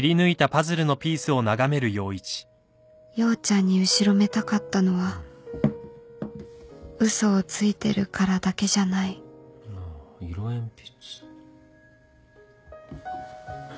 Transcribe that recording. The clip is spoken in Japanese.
陽ちゃんに後ろめたかったのは嘘をついてるからだけじゃないああ色鉛筆。